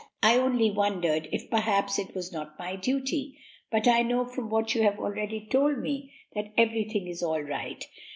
I only wondered if, perhaps, it was not my duty. But I know from what you have already told me that everything is all right.